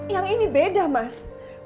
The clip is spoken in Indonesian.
yang ini beda mas